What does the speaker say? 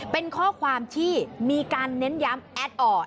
เป็นข้อความที่มีการเน้นย้ำแอดออร์ด